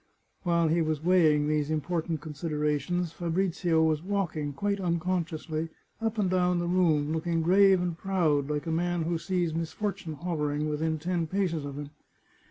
While he was weighing these important considerations Fabrizio was walking, quite unconsciously, up and down the room, looking grave and proud, like a man who sees mis fortune hovering within ten paces of him.